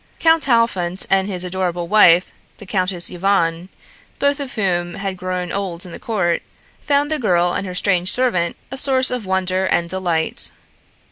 Count Halfont and his adorable wife, the Countess Yvonne, both of whom had grown old in the court, found the girl and her strange servant a source of wonder and delight.